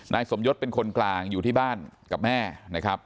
นายสมยศเป็นคนกลางอยู่ที่บ้านกับแม่นะครับ